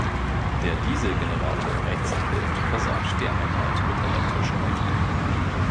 Der Dieselgenerator rechts im Bild versorgt die Einheit mit elektrischer Energie.